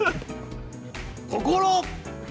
「心」。